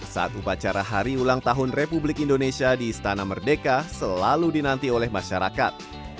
saat upacara hari ulang tahun republik indonesia di istana merdeka selalu dinanti oleh masyarakat